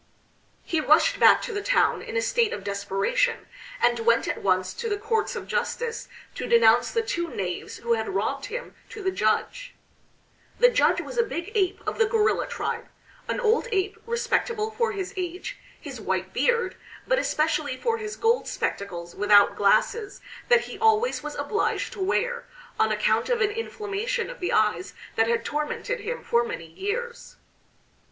He rushed back to the town in a state of desperation, and went at once to the Courts of Justice to denounce the two knaves who had robbed him to the judge. The judge was a big ape of the gorilla tribe an old ape respectable for his age, his white beard, but especially for his gold spectacles without glasses that he always was obliged to wear, on account of an inflammation of the eyes that had tormented him for many years.